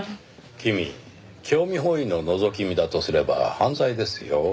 君興味本位ののぞき見だとすれば犯罪ですよ。